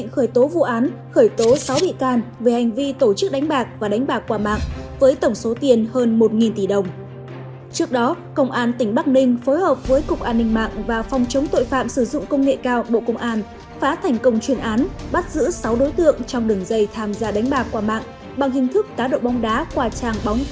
phá thành công chuyên án bắt giữ sáu đối tượng trong đường dây tham gia đánh bạc qua mạng bằng hình thức cá độ bóng đá qua trang bóng tám mươi tám